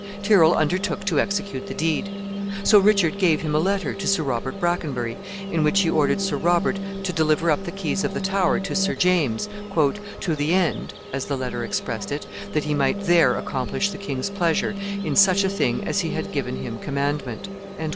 Tyrrel undertook to execute the deed. So Richard gave him a letter to Sir Robert Brakenbury, in which he ordered Sir Robert to deliver up the keys of the Tower to Sir James, "to the end," as the letter expressed it, "that he might there accomplish the king's pleasure in such a thing as he had given him commandment."